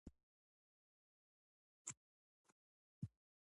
پکار ده چې هره نيمه ګنټه پس پۀ ولاړه